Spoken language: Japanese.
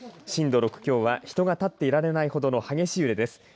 震度６強は人が立っていられないほどの激しい揺れです。